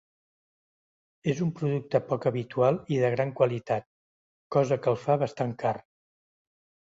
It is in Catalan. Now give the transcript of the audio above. És un producte poc habitual i de gran qualitat, cosa que el fa bastant car.